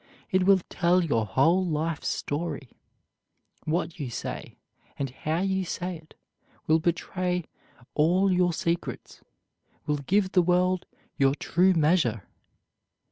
It will tell your whole life's story. What you say, and how you say it, will betray all your secrets, will give the world your true measure.